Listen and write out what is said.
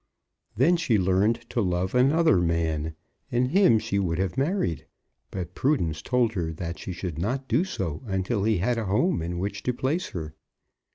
Then she learned to love another man, and him she would have married; but prudence told her that she should not do so until he had a home in which to place her.